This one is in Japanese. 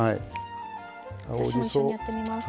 私も一緒にやってみますね。